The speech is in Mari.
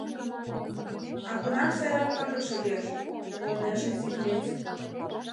— А кунам сайрак пагытше лиеш? — умылынеже Изи принц.